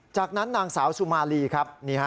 จากนั้นนางสาวสุมาลีครับ